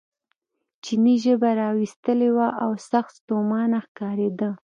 چیني ژبه را ویستلې وه او سخت ستومانه ښکارېده.